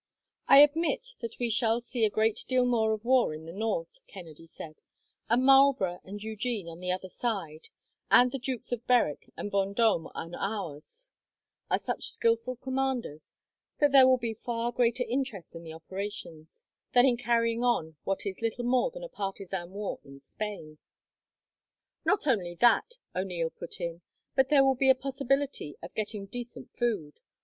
"I admit that we shall see a great deal more of war in the north," Kennedy said, "and Marlborough and Eugene on the other side, and the Dukes of Berwick and Vendome on ours, are such skilful commanders that there will be far greater interest in the operations, than in carrying on what is little more than a partisan war in Spain." "Not only that," O'Neil put in, "but there will be a possibility of getting decent food.